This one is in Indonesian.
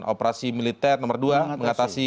operasi militer nomor dua mengatasi